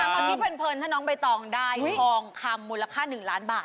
มาคิดเพลินถ้าน้องใบตองได้ทองคำมูลค่า๑ล้านบาท